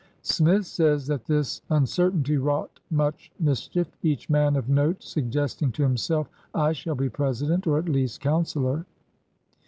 Smith says that this un certainty wrought much mischief, each man of note suggesting to himself, '^I shall be President — or, at least. Councilor!